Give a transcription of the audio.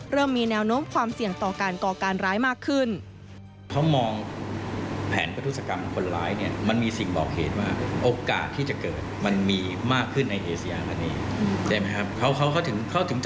เริ่มมีแนวโน้มความเสี่ยงต่อการก่อการร้ายมากขึ้น